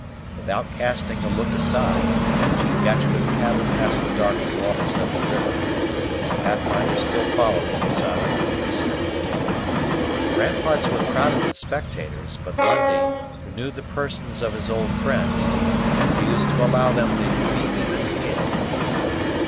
Without casting a look aside, Chingachgook paddled past the dark waters of the river, and Pathfinder still followed in silent industry. The ramparts were crowded with spectators; but Lundie, who knew the persons of his old friends, refused to allow them to be even hailed.